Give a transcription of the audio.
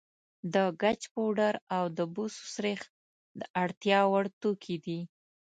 د ګچ پوډر او د بوسو سريښ د اړتیا وړ توکي دي.